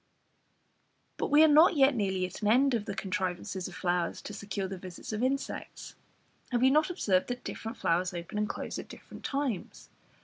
But we are not yet nearly at an end of the contrivances of flowers to secure the visits of insects. Have you not observed that different flowers open and close at different times?